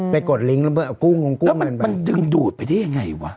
ไปกดลิงค์กุ้งมันดึงดูดไปได้ยังไงวะ